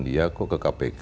dia kok ke kpk